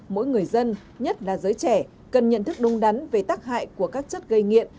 mỗi người dân nhất là giới trẻ cần nhận thức đúng đắn về tác hại của các chất gây nghiện